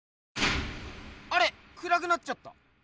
あれ⁉くらくなっちゃった。